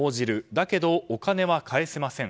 だけどお金は返せません。